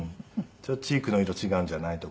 「ちょっとチークの色違うんじゃない？」とか。